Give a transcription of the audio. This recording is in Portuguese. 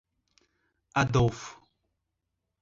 Adolfo